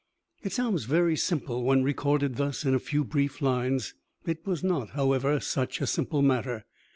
It sounds very simple when recorded thus in a few brief lines. It was not, however, such a simple matter.